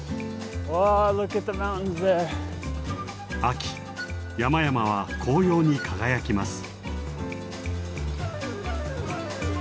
秋山々は紅葉に輝きます。